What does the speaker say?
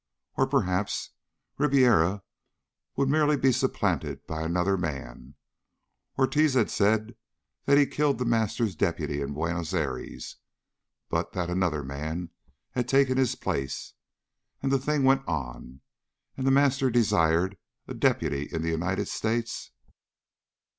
Or perhaps Ribiera would merely be supplanted by another man. Ortiz had said that he killed The Master's deputy in Buenos Aires, but that another man had taken his place. And the thing went on. And The Master desired a deputy in the United States....